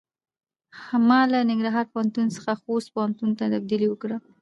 ما له ننګرهار پوهنتون څخه خوست پوهنتون ته تبدیلي وکړۀ.